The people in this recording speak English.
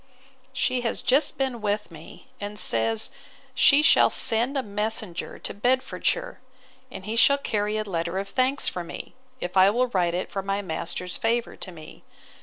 She has just been with me, and says she shall send a messenger to Bedfordshire; and he shall carry a letter of thanks for me, if I will write it for my master's favour to me.